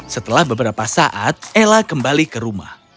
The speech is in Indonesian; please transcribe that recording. setelah beberapa saat ella kembali ke rumah